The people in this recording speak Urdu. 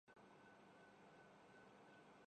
ساری کائنات اور اس کی دلکشی اس کے لیے بنی ہے